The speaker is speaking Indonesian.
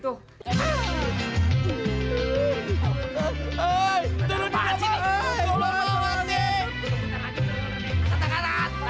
tunggu sebentar aja